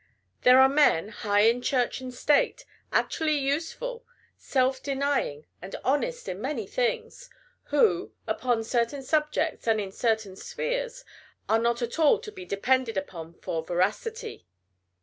There are men, high in Church and State, actually useful, self denying, and honest in many things, who, upon certain subjects, and in certain spheres, are not at all to be depended upon for veracity.